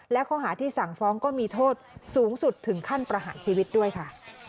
และข้อหาที่สั่งฟ้องก็มีโทษสูงสุดถึงขั้นประหารชีวิตด้วยค่ะ